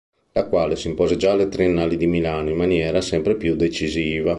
La quale si impose già alle Triennali di Milano in maniera sempre più decisiva.